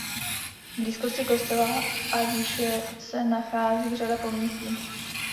V blízkosti kostela a výše se nachází řada pomníků.